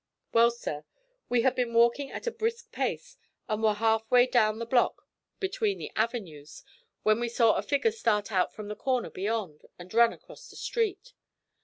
'Well, sir, we had been walking at a brisk pace and were half way down the block between the avenues, when we saw a figure start out from the corner beyond, and run across the street.